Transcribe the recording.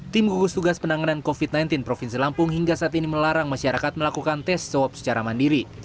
tim gugus tugas penanganan covid sembilan belas provinsi lampung hingga saat ini melarang masyarakat melakukan tes swab secara mandiri